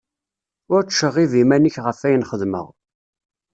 Ur ttceɣɣib iman-ik ɣef ayen xedmeɣ.